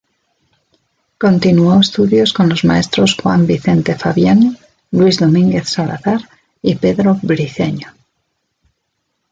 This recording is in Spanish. Continuó estudios con los maestros Juan Vicente Fabbiani, Luís Domínguez Salazar y Pedro Briceño.